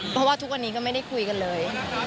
เพราะว่าทุกวันนี้ก็ไม่ได้คุยกันเลย